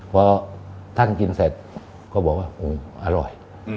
พอท่านกินเสร็จก็บอกว่าอร่อย